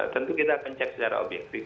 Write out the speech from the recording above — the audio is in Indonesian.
tentu kita akan cek secara objektif